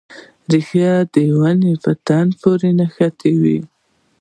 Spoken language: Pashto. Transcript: ریښه د ونې په تنې پورې نښتې وه.